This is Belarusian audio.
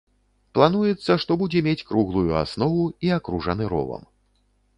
Плануецца, што будзе мець круглую аснову і акружаны ровам.